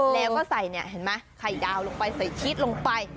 แล้วก็ใส่เนี่ยเห็นไหมไข่ดาวลงไปใส่ชีสลงไป